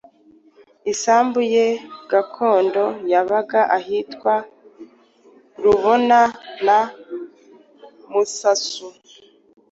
Isambu ye gakondo yabaga ahitwa Rubona na Musasu,